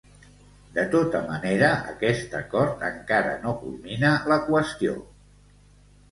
De tota manera, aquest acord encara no culmina la qüestió.